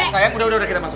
sayang udah udah kita masuk